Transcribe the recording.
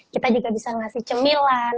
kita juga bisa ngasih cemilan